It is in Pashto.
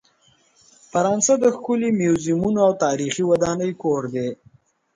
فرانسه د ښکلې میوزیمونو او تاریخي ودانۍ کور دی.